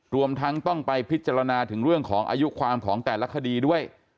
รวมทั้งต้องไปพิจารณาถึงเรื่องของอายุความของแต่ละคดีด้วย